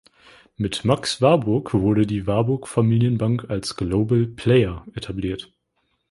Mit Max Warburg wurde die Warburg-Familienbank als "global player" etabliert.